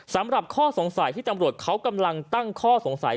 สำหรับข้อสงสัยที่ตำรวจเขากำลังตั้งข้อสงสัย